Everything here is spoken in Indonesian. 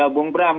ya bung bram